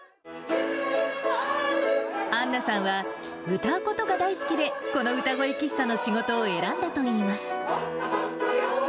アンナさんは歌うことが大好きで、この歌声喫茶の仕事を選んだといいます。